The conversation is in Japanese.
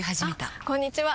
あこんにちは！